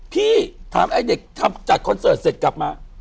พี่ถามไอ้เด็กทำจัดคอนเสิร์ตเสร็จกลับมา